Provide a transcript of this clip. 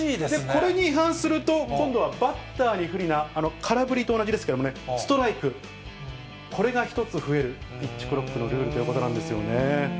これに違反すると、今度はバッターに不利な、空振りと同じですけど、ストライク、これが１つ増える、ピッチクロックのルールということなんですよね。